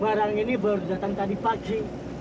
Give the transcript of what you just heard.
barang ini baru datang tadi pagi